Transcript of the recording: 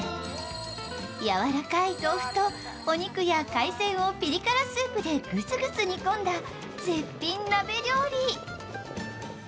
柔らかい豆腐とお肉や海鮮をピリ辛スープでぐつぐつ煮込んだ絶品鍋料理。